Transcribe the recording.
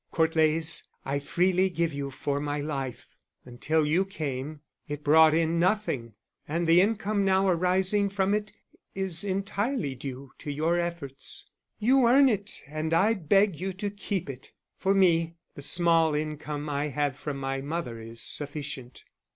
Court Leys I freely give you for my life; until you came it brought in nothing, and the income now arising from it is entirely due to your efforts; you earn it and I beg you to keep it. For me the small income I have from my mother is sufficient.